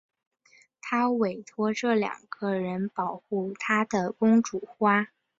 她委托这两个人保护她的公主花。